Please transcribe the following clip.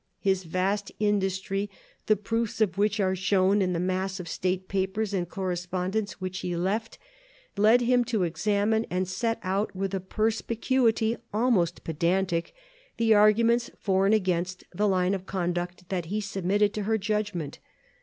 His vast industry, the proofs of which are shown in the mass of state papers and correspondence which he left, led him to examine and set out with a perspicuity almost pedantic the arguments for and against the line of conduct that he submitted to her judgment.